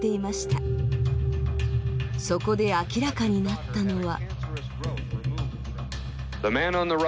そこで明らかになったのは。